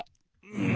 うん。